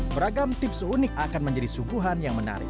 beragam tips unik akan menjadi suguhan yang menarik